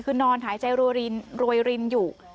คือนอนหายใจรวยรินอยู่